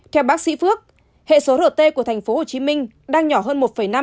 theo bác sĩ phước hệ số rt của thành phố hồ chí minh đang nhỏ hơn một năm